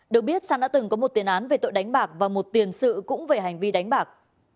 được biết sang đã từng có một tiền án về tội đánh bạc và một tiền sự cũng về hành vi đánh bạc